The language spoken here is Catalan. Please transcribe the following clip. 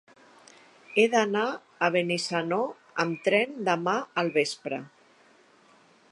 He d'anar a Benissanó amb tren demà al vespre.